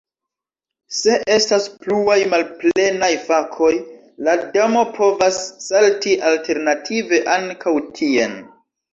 Se estas pluaj malplenaj fakoj, la damo povas salti alternative ankaŭ tien.